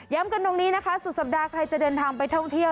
กันตรงนี้นะคะสุดสัปดาห์ใครจะเดินทางไปท่องเที่ยว